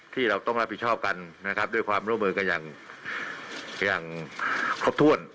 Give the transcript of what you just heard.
เราต้องรับผิดชอบกันนะครับด้วยความร่วมมือกันอย่างครบถ้วน